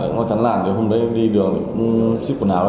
ngó chán lạn hôm đấy đi đường xếp quần áo